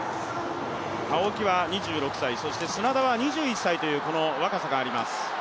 青木は２６歳、砂田は２１歳という若さがあります。